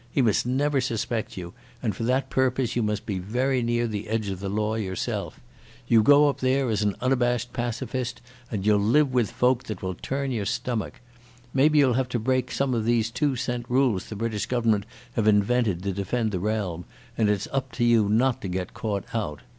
He must never suspect you, and for that purpose you must be very near the edge of the law yourself. You go up there as an unabashed pacifist and you'll live with folk that will turn your stomach. Maybe you'll have to break some of these two cent rules the British Government have invented to defend the realm, and it's up to you not to get caught out....